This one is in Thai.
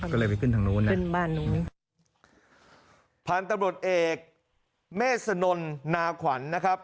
ก็เลยไปขึ้นทางนู้นนะขึ้นบ้านนู้นพันธุ์ตำรวจเอกเมษนนนาขวัญนะครับ